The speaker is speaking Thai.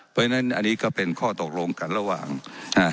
เพราะฉะนั้นอันนี้ก็เป็นข้อตกลงกันระหว่างอ่า